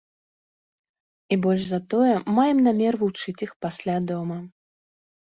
І, больш за тое, маем намер вучыць іх пасля дома.